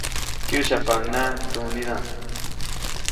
Kyäsyapaʼuŋnaʼak tsuʼnidaʼm.